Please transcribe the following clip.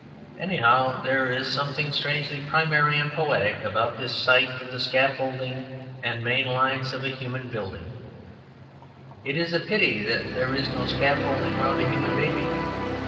Anyhow, there is something strangely primary and poetic about this sight of the scaffolding and main lines of a human building; it is a pity there is no scaffolding round a human baby.